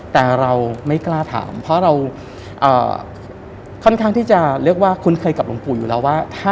แต่เราไม่กล้าถามเพราะเราค่อนข้างที่จะเรียกว่าคุ้นเคยกับหลวงปู่อยู่แล้วว่า